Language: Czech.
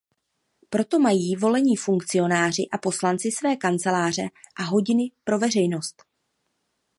Proto mají volení funkcionáři a poslanci své kanceláře a hodiny pro veřejnost.